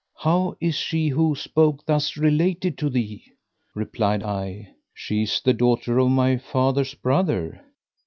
How is she who spoke thus related to thee?" Replied I, "She is the daughter of my father's brother."